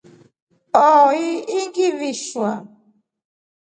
Ihoi ingivishwa.